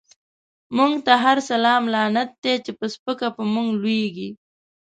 موږ ته هر سلام لعنت دی، چی په سپکه په موږ لويږی